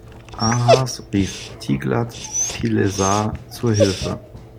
Ahas rief Tiglat-pilesar zur Hilfe.